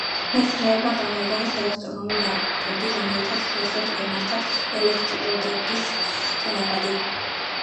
მეცნიერებმა გამოიგონეს ელექტრონული ლამპები, რომელთაც შეეძლოთ ემართათ ელექტროდების სუსტი ნაკადი.